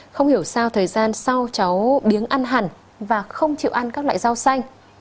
không hiểu sao thời gian sau cháu biếng ăn hẳn và không chịu ăn các loại rau xanh